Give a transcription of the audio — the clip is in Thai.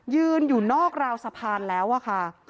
ยืนอยู่นอกราวสะพานแล้วอะค่ะ